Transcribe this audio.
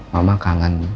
mama kangen